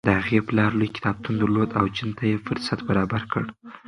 د هغې پلار لوی کتابتون درلود او جین ته یې فرصت برابر کړ.